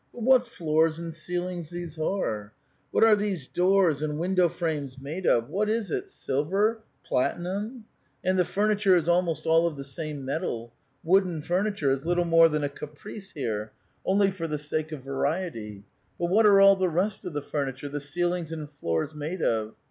But what floors and ceilings these are ! What are these doors and window frames made of ? What is it? Silver? Platinum? And the furniture is almost all of the same metal ; wooden furniture is little more than a caprice here — only for the sake A VITAL QUESTION. 379 of variety. But what are all the rest of the furniture, the ceilings and floors, made of?